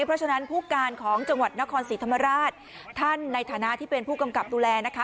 เพราะฉะนั้นผู้การของจังหวัดนครศรีธรรมราชท่านในฐานะที่เป็นผู้กำกับดูแลนะคะ